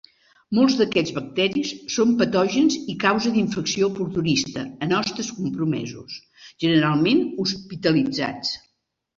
Molts d'aquests bacteris són patògens i causa d'infecció oportunista en hostes compromesos, generalment hospitalitzats.